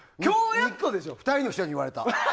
２人の人に言われた。